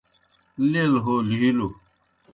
لیل ہو لِھیلوْ